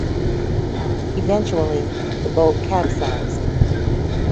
Eventually the boat capsized.